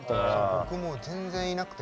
僕も全然いなくて。